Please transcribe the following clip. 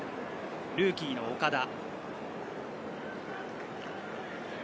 ルーキーの岡田。